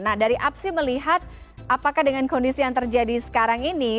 nah dari apsi melihat apakah dengan kondisi yang terjadi sekarang ini